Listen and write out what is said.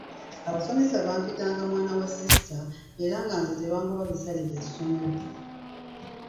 Abasomesa bampitanga mwana wa sisita era nga nze tebangoba bisale bya ssomero.